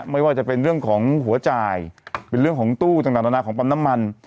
ไม่ว่าจะเป็นเรื่องของหัวจ่ายเป็นเรื่องของตู้ต่างนานาของปั๊มน้ำมัน